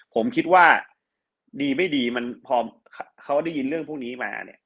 ผมคิดว่าดีไม่ดีมันพอเขาได้ยินเรื่องพวกนี้มาเนี่ย